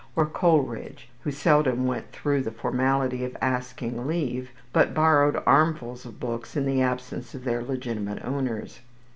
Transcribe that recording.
Or Coleridge, who seldom went through the formality of asking leave, but borrowed armfuls of books in the absence of their legitimate owners!